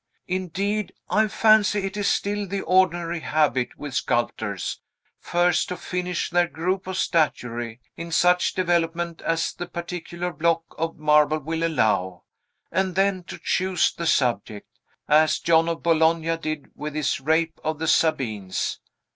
Indeed, I fancy it is still the ordinary habit with sculptors, first to finish their group of statuary, in such development as the particular block of marble will allow, and then to choose the subject; as John of Bologna did with his Rape of the Sabines.